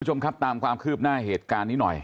คุณผู้ชมครับตามความคืบหน้าเหตุการณ์นี้หน่อย